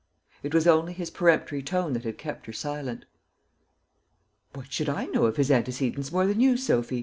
It was only his peremptory tone that had kept her silent. "What should I know of his antecedents more than you, Sophy?"